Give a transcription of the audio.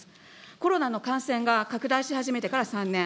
コロナの感染が拡大し始めてから３年。